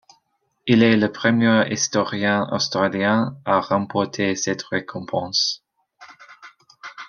Il est le premier historien australien à remporter cette récompense.